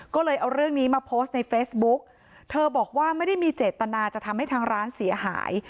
ก็เลยเอาเรื่องนี้มาโพสต์ในเฟซบุ๊กเธอบอกว่าไม่ได้มีเจตนาจะทำให้ทางร้านเสียหาย